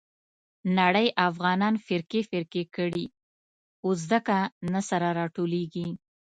نړۍ افغانان فرقې فرقې کړي. اوس ځکه نه سره راټولېږي.